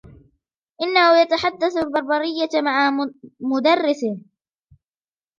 إنهُ يتحدث البربرية مع مُدرسَهُ.